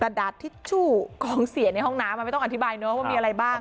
ดาดทิชชู่ของเสียในห้องน้ำมันไม่ต้องอธิบายเนอะว่ามีอะไรบ้าง